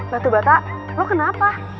batu bata lo kenapa